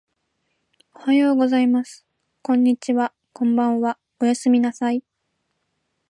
おはようございます。こんにちは。こんばんは。おやすみなさい。